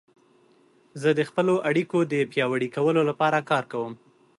زه د خپلو اړیکو د پیاوړي کولو لپاره کار کوم.